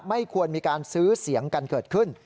ไม่ควรมีการซื้อเสียงกันเกิดขึ้น